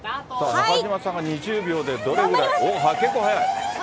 中島さんが２０秒でどれぐらい、結構速い。